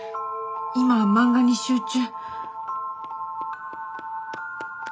今は漫画に集中。